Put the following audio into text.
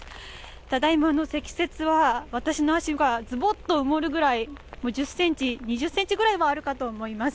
ただいまの積雪は、私の足がズボッと埋もれるぐらい、１０ｃｍ、２０ｃｍぐらいはあるかと思います。